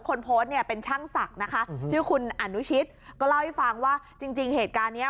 คนโพสต์เนี่ยเป็นช่างศักดิ์นะคะชื่อคุณอนุชิตก็เล่าให้ฟังว่าจริงจริงเหตุการณ์เนี้ย